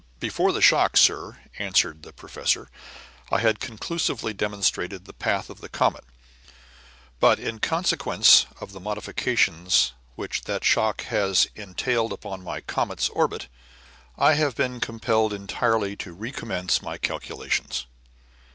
"Before the shock, sir," answered the professor, "I had conclusively demonstrated the path of the comet; but, in consequence of the modifications which that shock has entailed upon my comet's orbit, I have been compelled entirely to recommence my calculations."